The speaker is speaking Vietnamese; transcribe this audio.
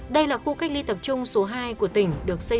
đây là khu cách ly tập trung số hai của tỉnh